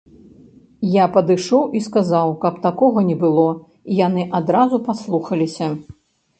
Я падышоў і сказаў, каб таго не было, і яны адразу паслухаліся.